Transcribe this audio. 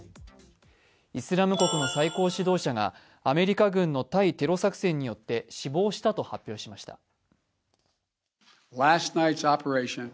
イスラム国の最高指導者がアメリカ軍の対テロ作戦によって死亡したと発表しました。